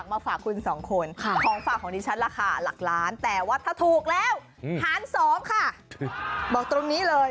บอกตรงนี้เลย